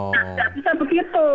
tidak bisa begitu